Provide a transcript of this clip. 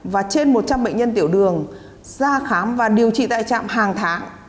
và trên một trăm linh bệnh nhân tiểu đường ra khám và điều trị tại trạm hàng tháng